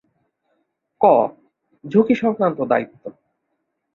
ক. ঝুঁকিসংক্রান্ত দায়িত্ব